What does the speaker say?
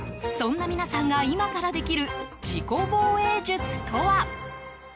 そんな皆さんが今からできる自己防衛術とは。